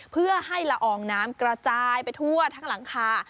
เพื่อให้ละอองน้ำกระจายไปทั่วทั้งหลังคา